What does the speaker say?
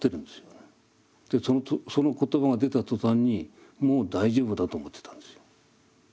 その言葉が出た途端にもう大丈夫だと思ってたんですよ。